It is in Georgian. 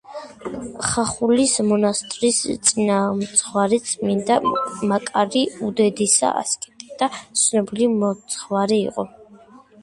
ხახულის მონასტრის წინამძღვარი წმინდა მაკარი უდიდესი ასკეტი და ცნობილი მოძღვარი იყო.